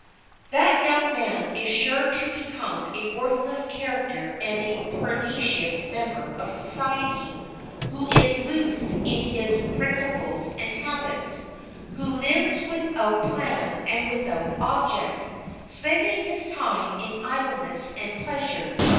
That young man is sure to become a worthless character and a pernicious member of society, who is loose in his principles and habits, who lives without plan and without object, spending his time in idleness and pleasure.